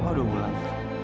papa udah pulang